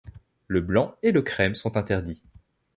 Le blanc et le crème sont interdits.